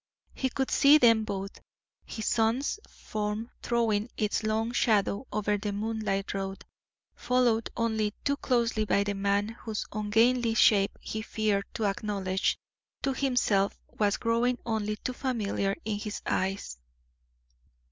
He could see them both, his son's form throwing its long shadow over the moonlit road, followed only too closely by the man whose ungainly shape he feared to acknowledge to himself was growing only too familiar in his eyes.